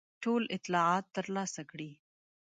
ټول اطلاعات ترلاسه کړي.